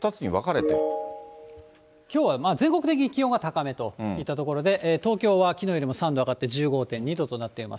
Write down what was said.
きょうは、全国的に気温は高めといったところで、東京はきのうよりも３度上がって、１５．２度となっています。